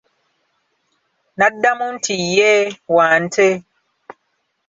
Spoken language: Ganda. N'addamu nti Yee, Wante.